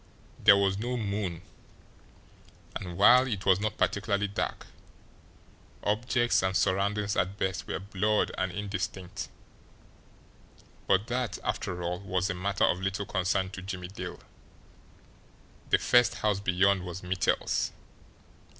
There was no moon, and, while it was not particularly dark, objects and surroundings at best were blurred and indistinct; but that, after all, was a matter of little concern to Jimmie Dale the first house beyond was Mittel's.